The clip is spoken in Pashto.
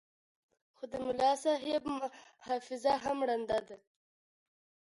خو د ملاصاحب حافظه هم ړنده ده.